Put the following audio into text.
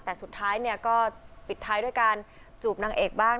แต่สุดท้ายเนี่ยก็ปิดท้ายด้วยการจูบนางเอกบ้าง